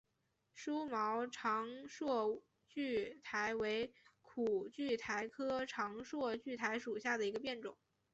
疏毛长蒴苣苔为苦苣苔科长蒴苣苔属下的一个变种。